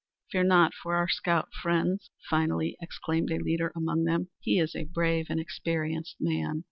"Fear not for our scout, friends!" finally exclaimed a leader among them. "He is a brave and experienced man.